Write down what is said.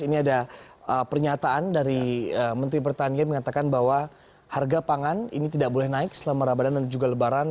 ini ada pernyataan dari menteri pertanian mengatakan bahwa harga pangan ini tidak boleh naik selama ramadan dan juga lebaran